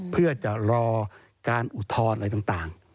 เพื่อจะรอการอุทธรณ์อะไรต่าง